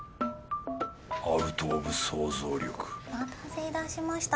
アウトオブ想像力お待たせいたしました。